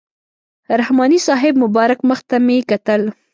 رحماني صاحب مبارک مخ ته مې کتل.